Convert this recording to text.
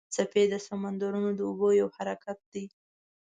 څپې د سمندرونو د اوبو یو حرکت دی.